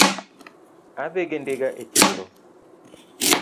Adhi gi ndiga e chiro